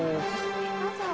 どうぞ。